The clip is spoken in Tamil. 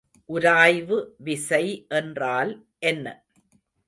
உராய்வு விசை என்றால் என்ன?